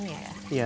ini ada ikan